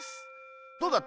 どうだった？